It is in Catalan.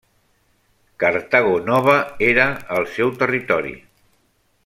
Cartago Nova era al seu territori.